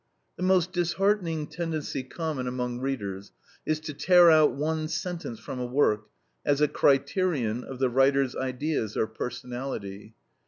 The most disheartening tendency common among readers is to tear out one sentence from a work, as a criterion of the writer's ideas or personality.